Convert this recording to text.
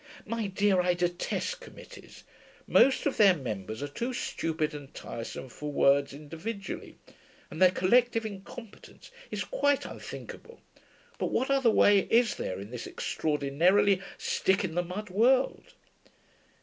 'My dear, I detest committees. Most of their members are too stupid and tiresome for words individually, and their collective incompetence is quite unthinkable. But what other way is there in this extraordinarily stick in the mud world?'